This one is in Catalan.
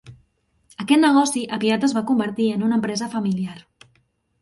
Aquest negoci aviat es va convertir en una empresa familiar.